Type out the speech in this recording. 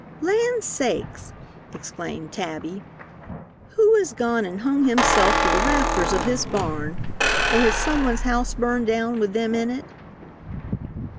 "Land sakes!" exclaimed Tabby. "Who has gone and hung himself to the rafters of his barn? Or has someone's house burned down with them in it?"